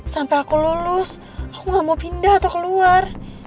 sampai aku lulus aku gak mau pindah atau keluar